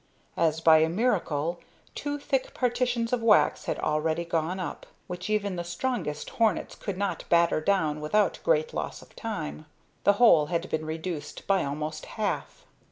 As by a miracle, two thick partitions of wax had already gone up, which even the strongest hornets could not batter down without great loss of time. The hole had been reduced by almost half.